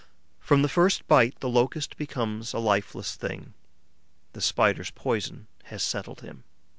From the first bite, the Locust becomes a lifeless thing; the Spider's poison has settled him.